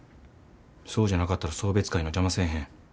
そうじゃなかったら送別会の邪魔せえへん。